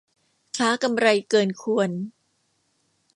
ค้ากำไรเกินควร